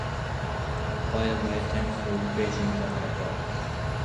By the way, thanks for buying the album.